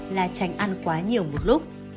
là tránh ăn quá nhiều một lúc